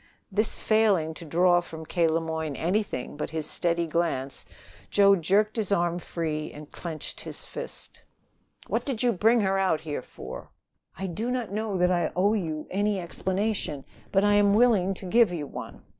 This failing to draw from K. Le Moyne anything but his steady glance, Joe jerked his arm free, and clenched his fist. "What did you bring her out here for?" "I do not know that I owe you any explanation, but I am willing to give you one.